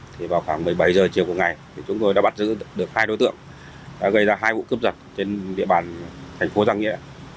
thì vào khoảng một mươi bảy h chiều của ngày thì chúng tôi đã bắt giữ được hai đối tượng đã gây ra hai vụ cướp giật trên địa bàn thành phố giang nghĩa